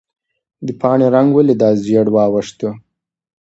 د پاڼې رنګ ولې داسې ژېړ واوښت؟